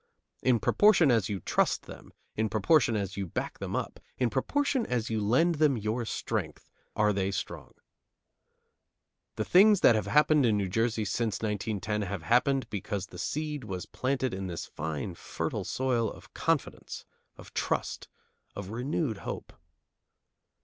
In proportion as you trust them, in proportion as you back them up, in proportion as you lend them your strength, are they strong. The things that have happened in New Jersey since 1910 have happened because the seed was planted in this fine fertile soil of confidence, of trust, of renewed hope.